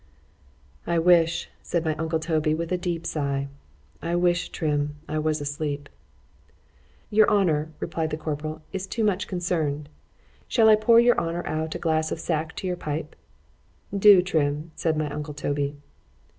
I wish, said my uncle Toby, with a deep sigh,—I wish, Trim, I was asleep. Your honour, replied the corporal, is too much concerned;—shall I pour your honour out a glass of sack to your pipe?——Do, Trim, said my uncle _Toby.